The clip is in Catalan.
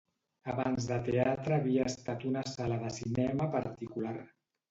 Abans de teatre havia estat una sala de cinema particular.